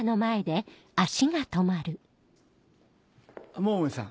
桃井さん